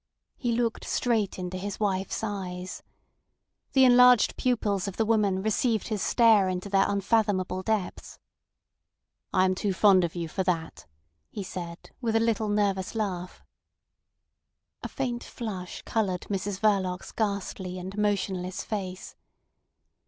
He looked straight into his wife's eyes. The enlarged pupils of the woman received his stare into their unfathomable depths. "I am too fond of you for that," he said, with a little nervous laugh. A faint flush coloured Mrs Verloc's ghastly and motionless face.